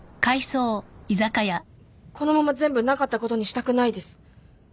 このまま全部なかったことにしたくないです